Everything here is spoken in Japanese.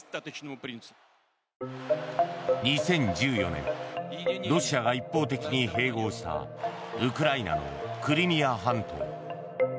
２０１４年ロシアが一方的に併合したウクライナのクリミア半島。